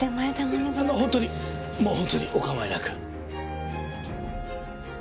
あの本当にもう本当にお構いなく。